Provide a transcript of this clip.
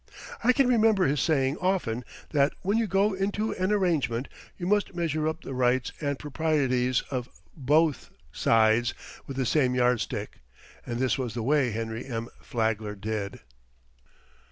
I can remember his saying often that when you go into an arrangement you must measure up the rights and proprieties of both sides with the same yardstick, and this was the way Henry M. Flagler did.